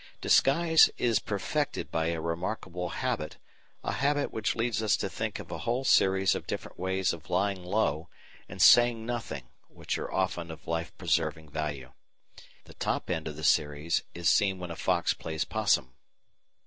Disguise is perfected by a remarkable habit, a habit which leads us to think of a whole series of different ways of lying low and saying nothing which are often of life preserving value. The top end of the series is seen when a fox plays 'possum.